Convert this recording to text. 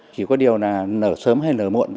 chỉ có điều là nở sớm hay nở muộn